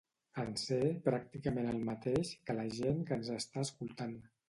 En sé pràcticament el mateix que la gent que ens està escoltant.